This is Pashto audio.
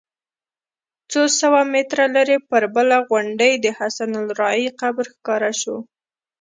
څو سوه متره لرې پر بله غونډۍ د حسن الراعي قبر ښکاره شو.